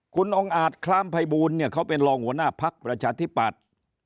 คุณองค์อาจคล้ามภัยบูลเนี่ยเขาเป็นรองหัวหน้าพักประชาธิปัตย์